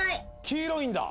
黄色いんだ。